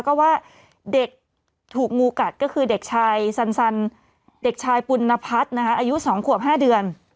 ก็ว่าเด็กถูกงูกัดก็คือเด็กชายสันเด็กชายปุณพัฒน์อายุ๒ขวบ๕เดือน